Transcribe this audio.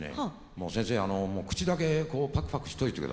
「もう先生口だけパクパクしといてください」と。